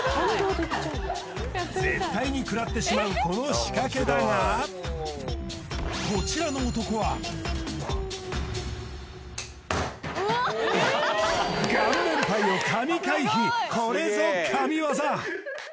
絶対に食らってしまうこの仕掛けだがこれぞ神業！